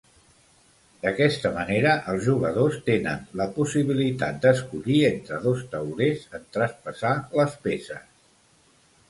D'aquesta manera els jugadors tenen la possibilitat d'escollir entre dos taulers en traspassar les peces.